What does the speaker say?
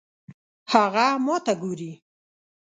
هغه ماته ګوري